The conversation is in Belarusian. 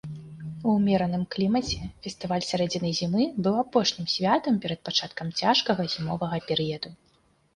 У ўмераным клімаце фестываль сярэдзіны зімы быў апошнім святам перад пачаткам цяжкага зімовага перыяду.